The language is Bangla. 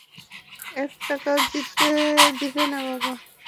এক টাকাও দিবে না বাবা।